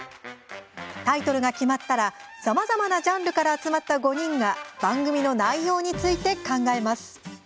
タイトルが決まったらさまざまなジャンルから集まった５人が番組の内容について考えます。